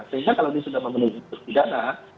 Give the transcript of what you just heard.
sehingga kalau dia sudah memenuhi pidana